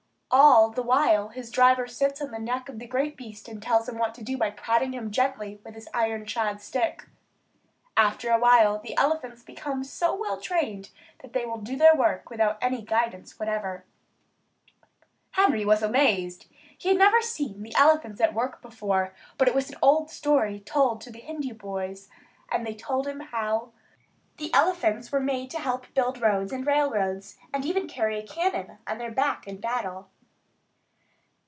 All the while his driver sits on the neck of the great beast, and tells him what to do by prodding him gently with his iron shod stick. After awhile the elephants become so well trained that they will do their work without any guidance whatever. Harry was amazed. He had never seen elephants at work before; but it was an old story to the Hindu boys, and they told him how the elephants were made to help build roads and railroads, and even carry cannon on their backs in battle.